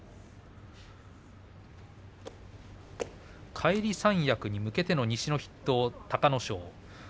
返り三役に向けての西の筆頭隆の勝です。